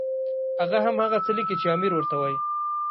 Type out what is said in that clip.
هغه هم هغه څه لیکي چې امیر ورته وایي.